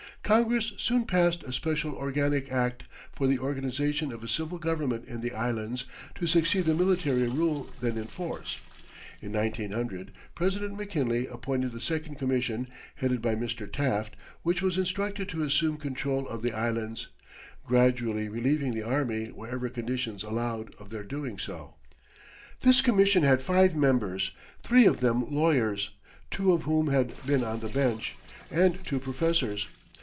Congress soon passed a special organic act for the organization of a civil government in the Islands, to succeed the military rule then in force. In 1900, President McKinley appointed the second Commission, headed by Mr. Taft, which was instructed to assume control of the Islands, gradually relieving the army wherever conditions allowed of their doing so. This Commission had five members, three of them lawyers (two of whom had been on the bench), and two professors.